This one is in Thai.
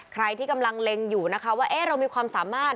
ใครที่กำลังเล็งอยู่นะคะว่าเรามีความสามารถ